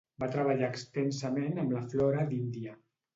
Va treballar extensament amb la flora d'Índia.